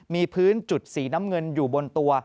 มีพื้นจุดสีน้ำเงินอยู่บนตัว